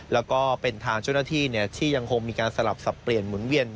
แล้วก็เป็นทางเจ้าหน้าที่ที่ยังคงมีการสลับสับเปลี่ยนหมุนเวียน